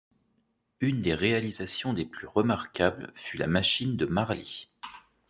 Une des réalisations les plus remarquables fut la machine de Marly.